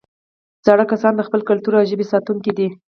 زاړه کسان د خپل کلتور او ژبې ساتونکي دي